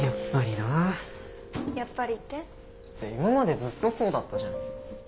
だって今までずっとそうだったじゃん。え？